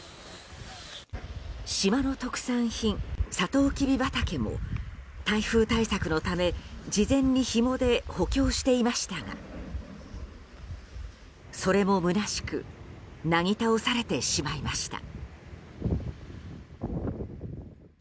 島の特産品サトウキビ畑も台風対策のため事前に、ひもで補強していましたがそれもむなしくなぎ倒されてしまいました。